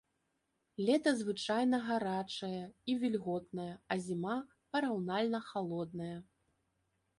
Лета звычайна гарачае і вільготнае, а зіма параўнальна халодная.